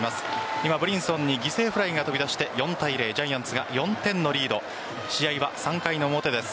今、ブリンソンに犠牲フライがありジャイアンツが４点のリード試合は３回の表です。